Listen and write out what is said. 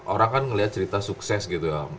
orang kan ngeliat cerita sukses gitu ya